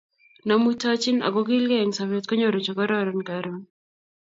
Nemuitochini ako kilkei eng sobet, konyoru chekororon karon